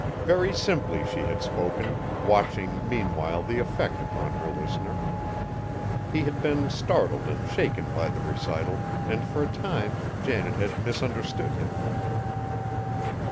Very simply she had spoken, watching, meanwhile, the effect upon her listener. He had been startled and shaken by the recital, and for a time Janet had misunderstood him.